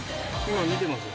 今見てます。